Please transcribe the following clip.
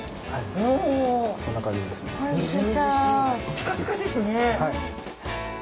ピカピカですね。